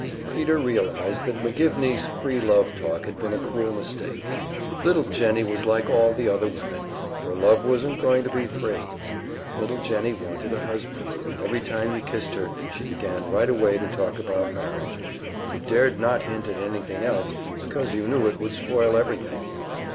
Peter realized that McGivney's "free love" talk had been a cruel mistake. Little Jennie was like all the other women her love wasn't going to be "free." Little Jennie wanted a husband, and every time you kissed her, she began right away to talk about marriage, and you dared not hint at anything else because you knew it would spoil everything.